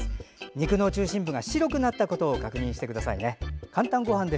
肉の中心部が白くなったことを確認してくださいね。